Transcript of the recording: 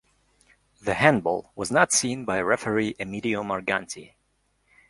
The handball was not seen by referee Emidio Morganti.